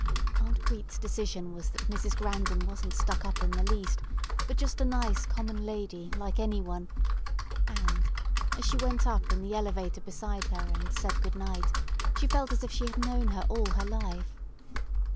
Aunt Crete's decision was that Mrs. Grandon wasn't stuck up in the least, but just a nice, common lady like any one; and, as she went up in the elevator beside her, and said good night, she felt as if she had known her all her life.